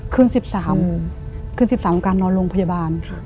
คืน๑๓คืน๑๓ของการนอนโรงพยาบาล